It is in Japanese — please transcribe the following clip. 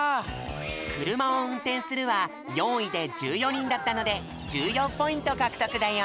「くるまをうんてんする」は４いで１４にんだったので１４ポイントかくとくだよ。